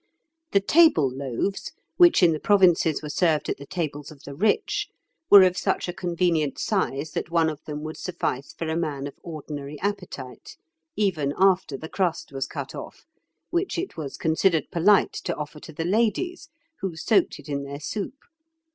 The "table loaves," which in the provinces were served at the tables of the rich, were of such a convenient size that one of them would suffice for a man of ordinary appetite, even after the crust was cut off, which it was considered polite to offer to the ladies, who soaked it in their soup.